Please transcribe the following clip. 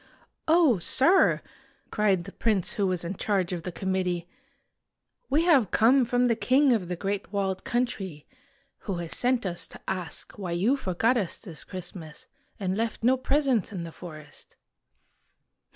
" Oh, sir! " cried the prince who was in charge 147 IN THE GREAT WALLED COUNTRY of the committee, " we have come from the king of The Great Walled Country, who has sent us to ask why you forgot us this Christmas, and left no presents in the forest."